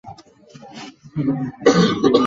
其子王舜。